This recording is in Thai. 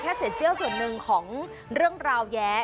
แค่เศรษฐกิจส่วนหนึ่งของเรื่องราวแย้